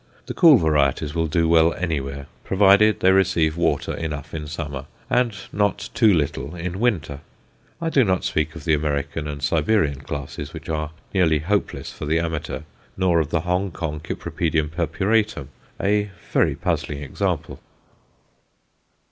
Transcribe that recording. The cool varieties will do well anywhere, provided they receive water enough in summer, and not too little in winter. I do not speak of the American and Siberian classes, which are nearly hopeless for the amateur, nor of the Hong Kong Cypripedium purpuratum, a very puzzling example.